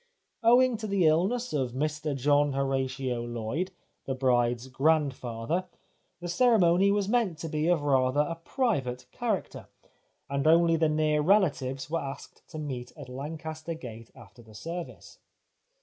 Owing to the illness of Mr John Horatio Lloyd, the bride's grandfather, the ceremony was meant to be of rather a private character, and only the near relatives were asked to meet at Lancaster Gate after the service.